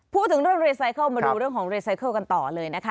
พูดถึงเรื่องรีไซเคิลมาดูเรื่องของรีไซเคิลกันต่อเลยนะคะ